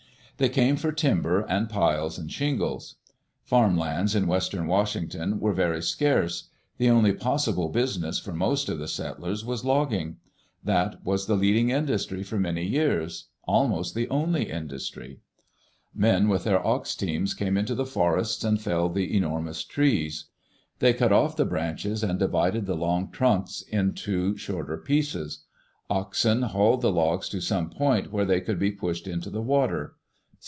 They came for timber and piles and shingles. Farm lands in western Washington were very scarce. The only possible business for most of the settlers was logging. That was the leading industry for many years — almost the only industry. Men with their ox teams went into the forests and felled the enormous trees. They cut off the branches and divided the long trunk into shorter pieces. Oxen hauled the logs to some point where they could be pushed into the water.